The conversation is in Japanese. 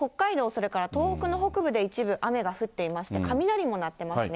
それから東北の北部で一部、雨が降っていまして、雷も鳴ってますね。